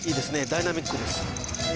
ダイナミックです